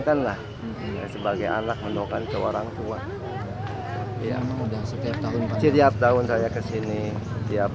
telah sebagai anak mendokong ke orang tua yang udah setiap tahun setiap tahun saya ke sini tiap